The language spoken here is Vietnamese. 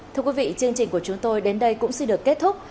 thưa quý vị chương trình của chúng tôi đến đây cũng xin được kết thúc